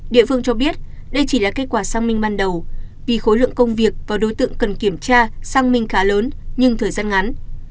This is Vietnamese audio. địa phương cho biết đây chỉ là kết quả sang minh ban đầu vì khối lượng công việc và đối tượng cần kiểm tra xăng minh khá lớn nhưng thời gian ngắn